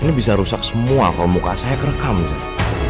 ini bisa rusak semua kalau muka saya kerekam saya